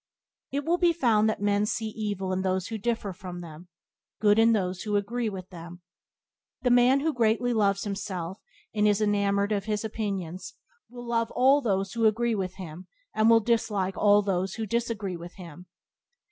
It will be found that men see evil in those who differ from them, good in those who agree with them. The man who greatly loves himself and is enamoured of his opinions will love all those who agree with him and will dislike all those who disagree with him.